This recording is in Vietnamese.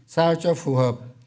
sao cho phù hợp